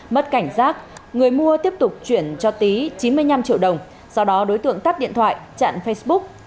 mất cảnh giác người mua tiếp tục chuyển cho tý chín mươi năm triệu đồng sau đó đối tượng tắt điện thoại chặn facebook